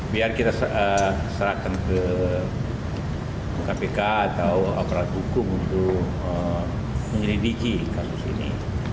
biar kita serahkan ke kpk atau aparat hukum untuk menyelidiki kasus ini